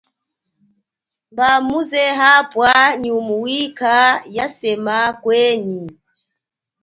Mba muze habwa ni mwika yasema kwenyi.